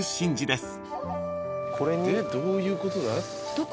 でどういうことだ？